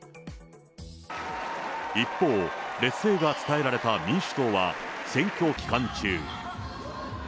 一方、劣勢が伝えられた民主党は、選挙期間中。